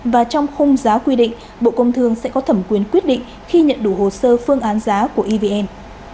và trong khung giá quy định bộ công thương sẽ có thẩm quyền quyết định khi nhận đủ hồ sơ phương án giá của evn